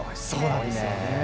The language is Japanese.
そうなんですよね。